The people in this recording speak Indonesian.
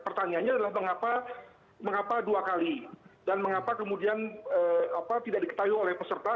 pertanyaannya adalah mengapa dua kali dan mengapa kemudian tidak diketahui oleh peserta